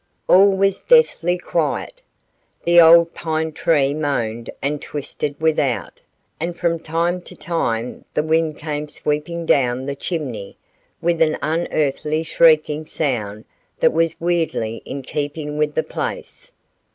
All was deathly quiet. The old pine tree moaned and twisted without, and from time to time the wind came sweeping down the chimney with an unearthly shrieking sound that was weirdly in keeping with the place.